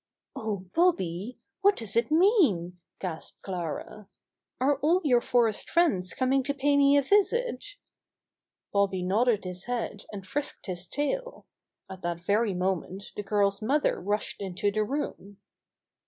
^'Oh, Bobby, what does it mean?" gasped Clara. *'Are all your forest friends coming to pay me a visit?" Bobby nodded his head and frisked his tail. At that very moment the girl's mother rushed into the room.